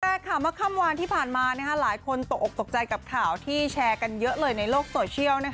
แรกค่ะเมื่อค่ำวานที่ผ่านมาหลายคนตกออกตกใจกับข่าวที่แชร์กันเยอะเลยในโลกโซเชียล